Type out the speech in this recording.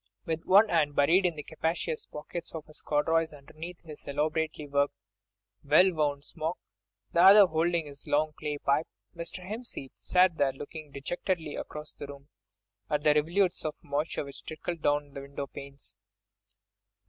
With one hand buried in the capacious pockets of his corduroys underneath his elaborately worked, well worn smock, the other holding his long clay pipe, Mr. Hempseed sat there looking dejectedly across the room at the rivulets of moisture which trickled down the window panes.